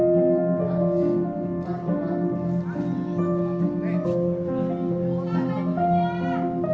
mencoba untuk mencoba